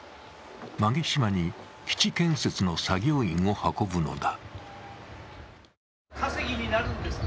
馬毛島に基地建設の作業員を運ぶのだ。